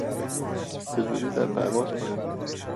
بزودی در پرواز خواهیم بود.